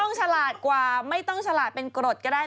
ฉลาดกว่าไม่ต้องฉลาดเป็นกรดก็ได้